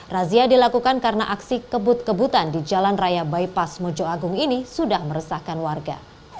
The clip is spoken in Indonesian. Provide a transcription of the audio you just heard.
razia dilakukan karena aksi kebut kebutan di jalan raya bypass mojo agung ini sudah meresahkan warga